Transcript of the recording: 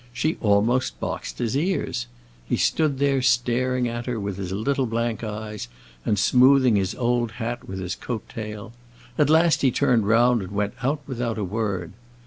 She almost boxed his ears. He stood there staring at her with his little blank eyes and smoothing his old hat with his coat tail. At last he turned round and went out without a word.